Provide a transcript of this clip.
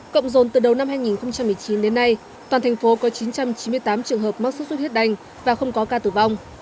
cộng dồn từ đầu năm hai nghìn một mươi chín đến nay toàn thành phố có chín trăm chín mươi tám trường hợp mắc sốt xuất huyết đanh và không có ca tử vong